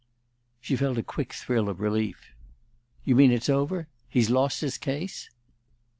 '" She felt a quick thrill of relief. "You mean it's over? He's lost his case?"